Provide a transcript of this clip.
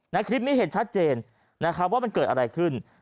ในคลิปนี้เห็นชัดเจนนะครับว่ามันเกิดอะไรขึ้น